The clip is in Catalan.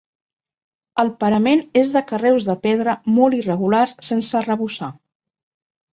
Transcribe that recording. El parament és de carreus de pedra molt irregulars sense arrebossar.